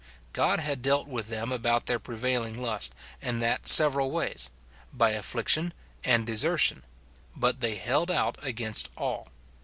God had dealt with them about their prevailing lust, and that several ways, — by affliction and desertion ; but they held out against all.